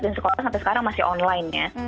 dan sekolah sampai sekarang masih online ya